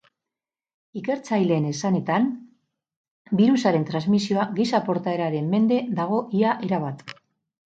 Ikertzaileen esanetan, birusaren transmisioa giza portaeraren mende dago ia erabat.